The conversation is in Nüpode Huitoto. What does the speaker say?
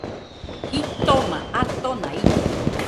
Jitoma atona ite